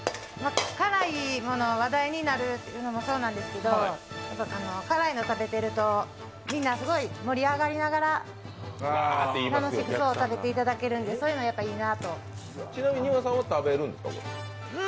辛いもの、話題になるっていうのもそうなんですけど辛いの食べてるとみんなすごい盛り上がりながら楽しそうに食べてらっしゃるので丹羽さんは食べます？